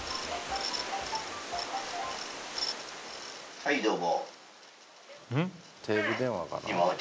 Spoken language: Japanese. はいどうも。